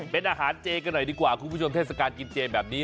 เป็นอาหารเจกันหน่อยดีกว่าคุณผู้ชมเทศกาลกินเจแบบนี้